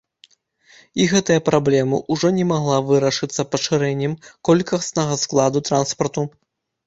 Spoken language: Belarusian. І гэтая праблема ўжо не магла вырашыцца пашырэннем колькаснага складу транспарту.